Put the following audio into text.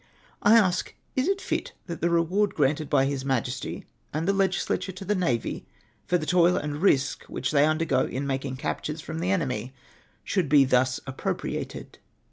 I ask, is it fit that the reward granted by His Majesty and the legisla, ture to the navy, for the toil and risk which they imdergo in making captures from the enemy, sliould be thus appropriated